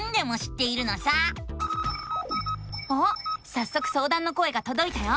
さっそくそうだんの声がとどいたよ。